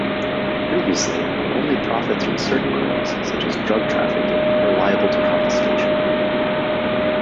Previously, only profits from certain crimes, such as drug trafficking, were liable to confiscation.